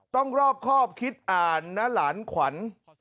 รอบครอบคิดอ่านนะหลานขวัญ